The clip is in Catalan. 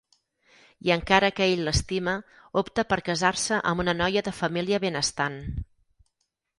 I encara que ell l'estima, opta per casar-se amb una noia de família benestant.